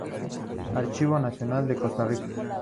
Archivo Nacional de Costa Rica.